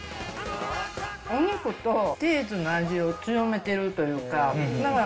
お肉とチーズの味を強めてるというか、だから。